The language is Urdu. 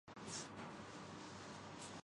جن کا ماضی نہ ہو، کیا ان کا کوئی مستقبل ہوتا ہے؟